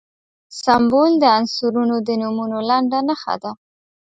سمبول د عنصرونو د نومونو لنډه نښه ده.